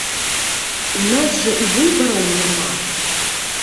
У нас жа і выбараў няма!